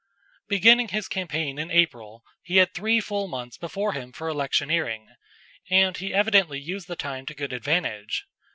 Beginning his campaign in April, he had three full months before him for electioneering, and he evidently used the time to good advantage.